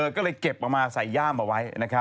ก็เลยเก็บออกมาใส่ย่ามเอาไว้